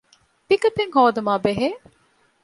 ޕިކަޕެއް ހޯދުމާބެހޭ